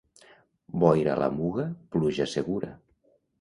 Boira a la Muga, pluja segura.